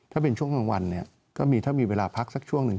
ถ้าเป็นช่วงกลางวันก็มีเวลาพักช่วงหนึ่ง